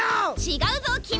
違うぞ君！